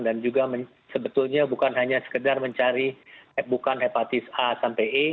dan juga sebetulnya bukan hanya sekedar mencari bukan hepatitis a